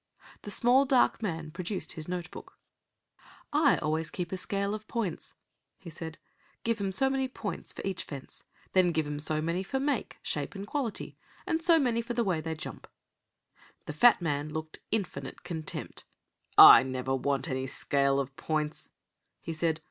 The small dark man produced his note book. "I always keep a scale of points," he said. "Give 'em so many points for each fence. Then give 'em so many for make, shape, and quality, and so many for the way they jump." The fat man looked infinite contempt. "I never want any scale of points," he said.